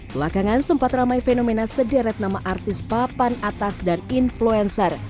belakangan sempat ramai fenomena sederet nama artis papan atas dan influencer